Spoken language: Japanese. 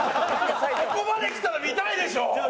ここまできたら見たいでしょ！